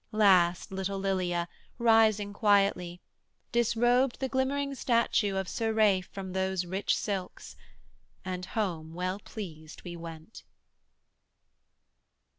Last little Lilia, rising quietly, Disrobed the glimmering statue of Sir Ralph From those rich silks, and home well pleased we went.